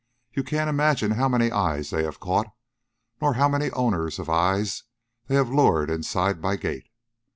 You can't imagine how many eyes they have caught, nor how many owners of eyes they have lured inside my gate.